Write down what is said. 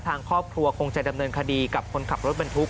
ทางครอบครัวคงจะดำเนินคดีกับคนขับรถบรรทุก